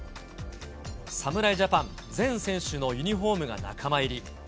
侍ジャパン全選手のユニホームが仲間入り。